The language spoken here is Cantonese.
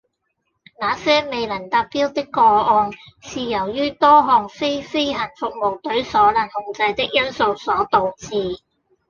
那些未能達標的個案，是由於多項非飛行服務隊所能控制的因素所導致